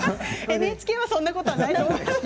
ＮＨＫはそんなことはないと思う。